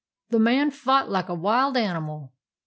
The man fought like a wild animal.